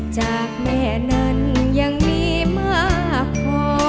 จากแม่นั้นยังมีมากพอ